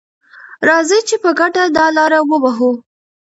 راځئ چې په ګډه دا لاره ووهو.